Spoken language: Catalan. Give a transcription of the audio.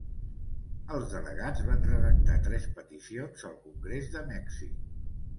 Els delegats van redactar tres peticions al Congrés de Mèxic.